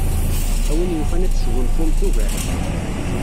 A win yufan ad tesgunfumt ugar.